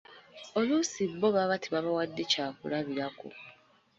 Oluusi bo baba tebabawadde kyakulabirako.